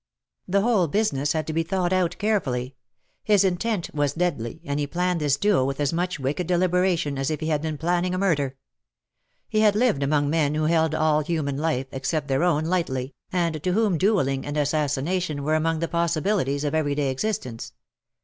^'' The whole business had to be thought out care fully. His intent was deadly, and he planned this duel with as much wicked deliberation as if he had been planning a murder. He had lived among men who held all human life^ except their own, lightly. AND SUCH DEADLY FRUIT." 239 and to whom duelling and assassination were among # the possibilities of every day existence.